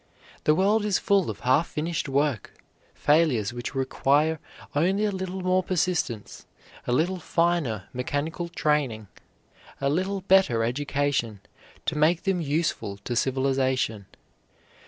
The world is full of half finished work, failures which require only a little more persistence, a little finer mechanical training, a little better education, to make them useful to civilization.